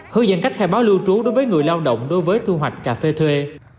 hướng dẫn cách khai báo lưu trú đối với người lao động đối với thu hoạch cà phê thuê